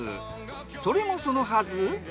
それもそのはず。